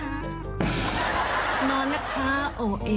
นอนนะคะโอเค